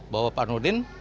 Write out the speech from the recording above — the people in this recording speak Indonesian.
bahwa pak nurdin